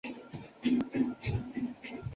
安治泰的宗座代牧职位由韩宁镐接任。